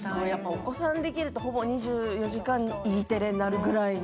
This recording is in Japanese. お子さんができるとほぼ２４時間Ｅテレになるくらいの。